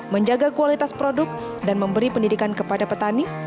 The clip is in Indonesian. menjaga kualitas produk dan memberi pendidikan kepada petani